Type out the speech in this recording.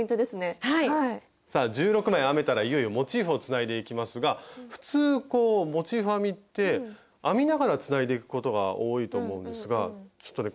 さあ１６枚編めたらいよいよモチーフをつないでいきますが普通モチーフ編みって編みながらつないでいくことが多いと思うんですがちょっとね